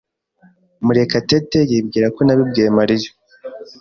Murekatete yibwira ko nabibwiye Mariya.